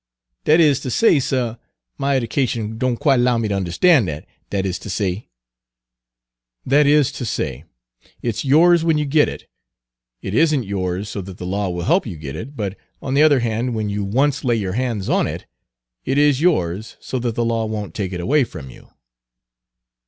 "Dat is ter say, suh my eddication don' quite 'low me ter understan' dat dat is ter say" "That is to say, it 's yours when you get it. It is n't yours so that the law will help you get it; but on the other hand, when you once lay your hands on it, it is yours so that the law won't take it away from you."